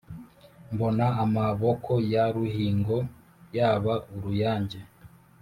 mbona amaboko ya ruhingo yaba uruyange,